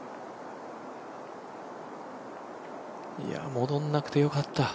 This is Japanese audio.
戻らなくてよかった。